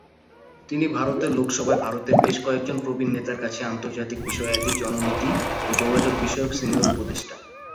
তিনি ভারতের সংসদে লোকসভায় ভারতের বেশ কয়েকজন প্রবীণ নেতার কাছে আন্তর্জাতিক বিষয়াদি, জন নীতি ও যোগাযোগ বিষয়ক সিনিয়র উপদেষ্টা।